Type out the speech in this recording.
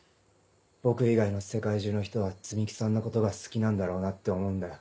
僕以外の世界中の人は摘木さんのことが好きなんだろうなって思うんだよ。